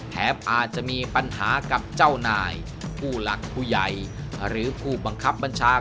อาจจะมีปัญหากับเจ้านายผู้หลักผู้ใหญ่หรือผู้บังคับบัญชา